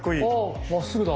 まっすぐだ。